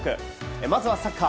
まずはサッカー。